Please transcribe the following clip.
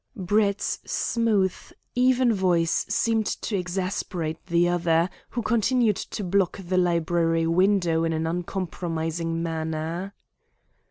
Brett's smooth, even voice seemed to exasperate the other, who continued to block the library window in uncompromising manner.